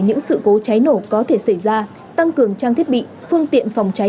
những sự cố cháy nổ có thể xảy ra tăng cường trang thiết bị phương tiện phòng cháy